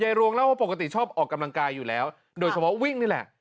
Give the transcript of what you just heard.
รวงเล่าว่าปกติชอบออกกำลังกายอยู่แล้วโดยเฉพาะวิ่งนี่แหละ